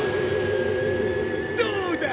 どうだ！